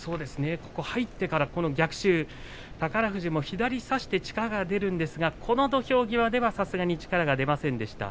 入ってからの逆襲宝富士も左を差して力が出るんですが土俵際では力が出ませんでした。